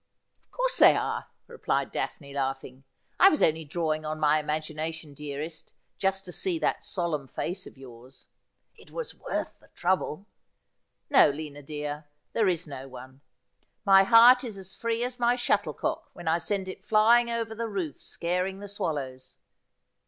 ' Of course they are,' replied Daphne, laughing. ' I was only drawing on my imagination, dearest, just to see that solemn face of yours. It was worth the trouble. No, Lina dear, there is no one. My heart is as free as my shuttlecock, when I send it fly ing over the roof scaring the swallows.